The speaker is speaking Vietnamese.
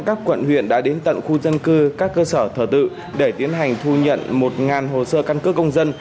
các quận huyện đã đến tận khu dân cư các cơ sở thờ tự để tiến hành thu nhận một hồ sơ căn cước công dân